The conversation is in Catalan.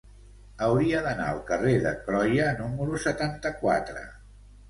Hauria d'anar al carrer de Croia número setanta-quatre.